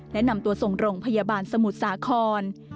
และนำตัวส่งโรงพยาบาลสมุทรสาคร